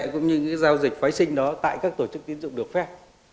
cũng như những giao dịch phái sinh đó tại các tổ chức tín dụng được phép